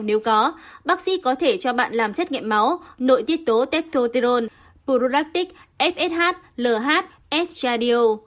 nếu có bác sĩ có thể cho bạn làm xét nghiệm máu nội tiết tố tetroterol pruractic fsh lh s cardio